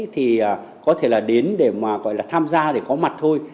thì có thể là đến để mà gọi là tham gia để có mặt thôi